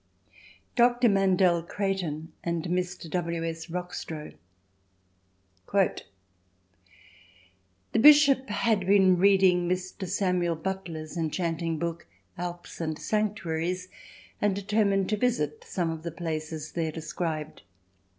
Dr. Mandell Creighton and Mr. W. S. Rockstro "The Bishop had been reading Mr. Samuel Butler's enchanting book Alps and Sanctuaries and determined to visit some of the places there described.